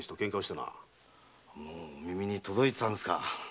もうお耳に届いてたんですか。